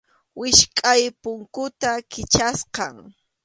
Wichqʼay punkuta Kichasqam.